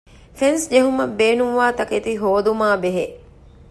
ފެންސް ޖެހުމަށް ބޭނުންވާ ތަކެތި ހޯދުމާބެހޭ